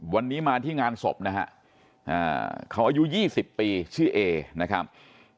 วันนี้มาที่งานศพนะฮะเขาอายุ๒๐ปีชื่อเอนะครับ